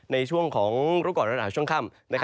ในช่วงของรุ่นก่อนระดาษช่วงค่ำ